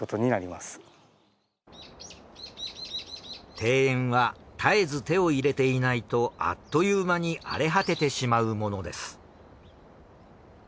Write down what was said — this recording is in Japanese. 庭園は絶えず手を入れていないとあっという間に荒れ果ててしまうものです。